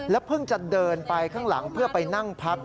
เพิ่งจะเดินไปข้างหลังเพื่อไปนั่งพัก